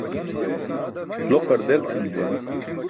Loqar del tʰim juwan.